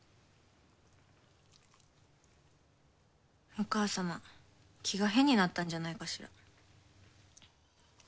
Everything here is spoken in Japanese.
お母様気が変になったんじゃないかしら。